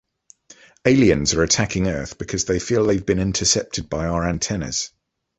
Aliens are attacking Earth because they feel they've been intercepted by our antennas.